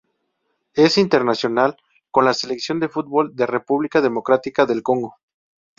Es internacional con la selección de fútbol de República Democrática del Congo.